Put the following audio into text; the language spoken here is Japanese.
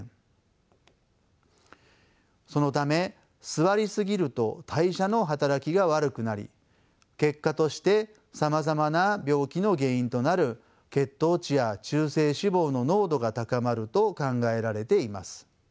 そのため座りすぎると代謝の働きが悪くなり結果としてさまざまな病気の原因となる血糖値や中性脂肪の濃度が高まると考えられています。